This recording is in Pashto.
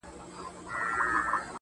o اوس هغه بل كور كي اوسيږي كنه.